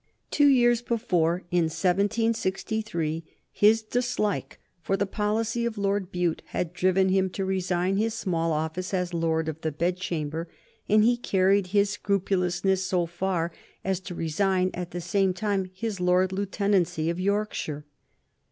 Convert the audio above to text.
Two years before, in 1763, his dislike for the policy of Lord Bute had driven him to resign his small office as Lord of the Bedchamber, and he carried his scrupulousness so far as to resign at the same time his Lord Lieutenantcy of Yorkshire.